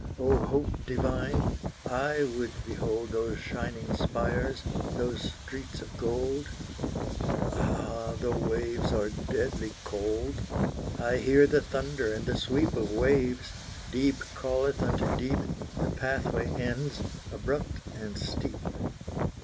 O, Hope divine ' I would behold Those shining spires, those streets of gold: But ah! the waves are deadly cold! I hear the thunder and the sweep Of waves; deep calleth unto deep; The pathway ends, abrupt and steep.